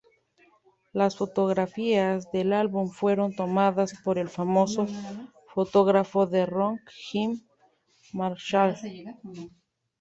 Las fotografías del álbum fueron tomadas por el famoso fotógrafo de rock Jim Marshall.